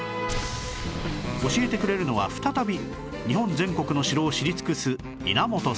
教えてくれるのは再び日本全国の城を知り尽くすいなもとさん